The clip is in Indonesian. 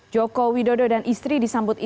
jokowi dodo dan istri disambut istri